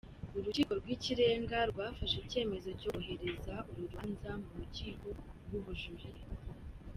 Urukiko rw'ikirenga rwafashe icyemezo cyo kohereza uru rubanza mu rukiko rw'ubujurire.